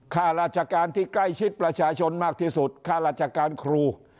ข้าราชการที่ใกล้ชิดประชาชนมากที่สุดค่าราชการครู